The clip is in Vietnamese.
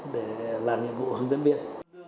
để làm nhiệm vụ hướng dẫn viên